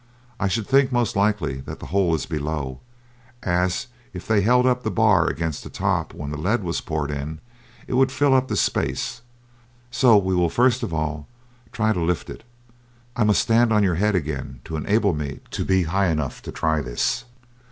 I should think most likely the hole is below, as if they held up the bar against the top, when the lead was poured in it would fill up the space; so we will first of all try to lift it. I must stand on your head again to enable me to be high enough to try this."